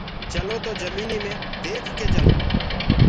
چلو تو جميني مي ديک ڪي چلو